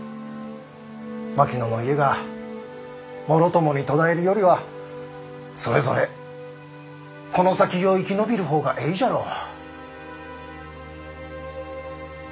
槙野の家がもろともに途絶えるよりはそれぞれこの先を生き延びる方がえいじゃろう。